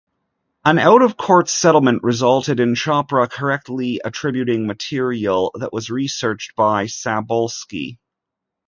"An out-of-court settlement" resulted in Chopra correctly attributing material that was researched by Sapolsky.